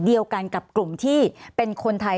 เดียวกันกับกลุ่มที่เป็นคนไทย